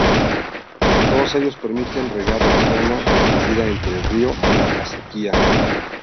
Todos ellos permiten regar la zona comprendida entre el río y la acequia.